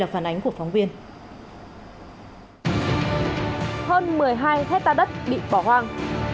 hơn một mươi hai hectare đất bị bỏ hoang